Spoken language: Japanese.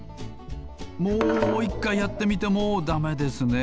もう１かいやってみてもだめですね。